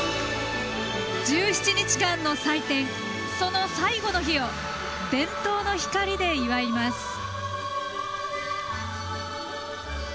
１７日間の祭典、その最後の日を伝統の光で祝います。